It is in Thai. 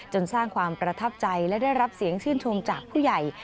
สร้างความประทับใจและได้รับเสียงชื่นชมจากผู้ใหญ่